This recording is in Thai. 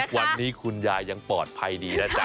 วันนี้คุณยายยังปลอดภัยดีนะจ๊